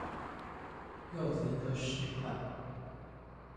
柚子一顆十塊